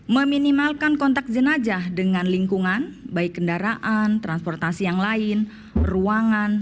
meminimalkan kontak jenajah dengan lingkungan baik kendaraan transportasi yang lain ruangan